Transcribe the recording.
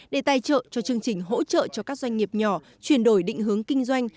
để tài trợ cho chương trình hỗ trợ cho các doanh nghiệp nhỏ chuyển đổi định hướng kinh doanh